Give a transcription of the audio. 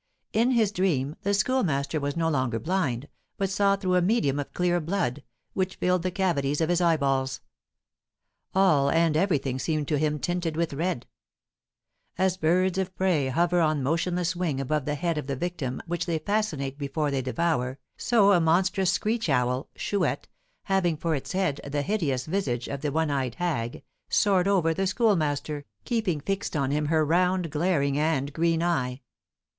In his dream the Schoolmaster was no longer blind, but saw through a medium of clear blood, which filled the cavities of his eyeballs. All and everything seemed to him tinted with red. As birds of prey hover on motionless wing above the head of the victim which they fascinate before they devour, so a monstrous screech owl (chouette), having for its head the hideous visage of the one eyed hag, soared over the Schoolmaster, keeping fixed on him her round, glaring, and green eye.